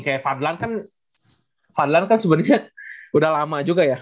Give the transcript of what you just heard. kayak fadlan kan sebenernya udah lama juga ya